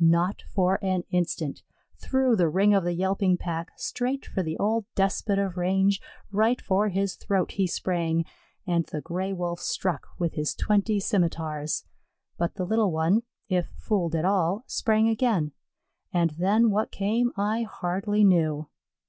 Not for an instant; through the ring of the yelping pack, straight for the old despot of range, right for his throat he sprang; and the Gray wolf struck with his twenty scimitars. But the little one, if fooled at all, sprang again, and then what came I hardly knew.